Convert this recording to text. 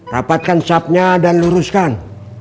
rapatkan sapnya dan luruskan